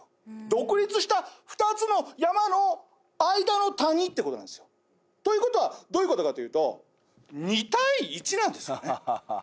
独立した２つの山の間の谷ってことなんですよということはどういうことかというと２対１なんですよね